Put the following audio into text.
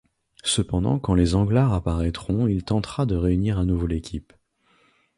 Cependant quand les Anglars apparaitront il tentera de réunir à nouveau l'équipe.